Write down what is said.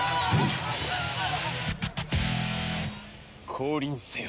降臨せよ！